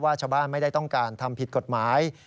ชาวบ้านไม่ได้ต้องการทำผิดกฎหมาย